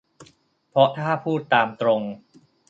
เพราะถ้าพูดตามตรง